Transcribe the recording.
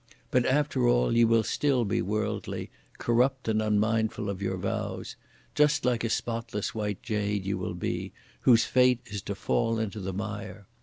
But after all you will still be worldly, corrupt and unmindful of your vows; just like a spotless white jade you will be whose fate is to fall into the mire!